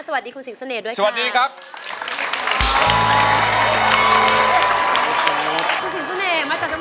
สวัสดีคุณสิ่งเสน่ห์ด้วยค่ะอเรนนี่โครงสวัสดีครับ